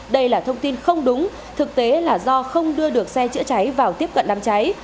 đây là thông tin không đúng thực tế là do không đưa được xe chữa cháy vào tiếp cận đám cháy